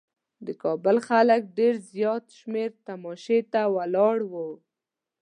د کابل خلک ډېر زیات شمېر تماشې ته ولاړ وو.